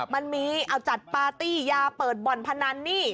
มันมีเอาจัดปาร์ตี้ยาเปิดบ่อนพนันนี่